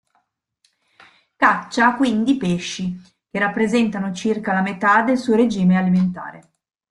Caccia quindi pesci, che rappresentano circa la metà del suo regime alimentare.